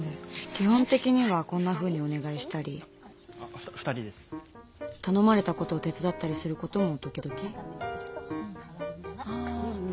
基本的にはこんなふうにお願いしたり頼まれたことを手伝ったりすることも時々？